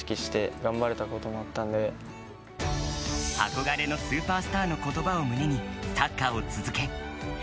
憧れのスーパースターの言葉を胸にサッカーを続け。